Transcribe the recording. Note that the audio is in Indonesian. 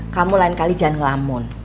kamu lain kali jangan ngelamun